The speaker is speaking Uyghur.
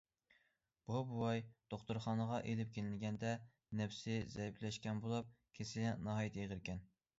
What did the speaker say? بۇ بوۋاي دوختۇرخانىغا ئېلىپ كېلىنگەندە نەپىسى زەئىپلەشكەن بولۇپ، كېسىلى ناھايىتى ئېغىر ئىكەن.